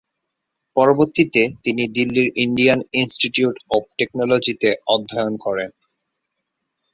পরবর্তীতে তিনি দিল্লির ইন্ডিয়ান ইন্সটিটিউট অব টেকনোলজিতে অধ্যায়ন করেন।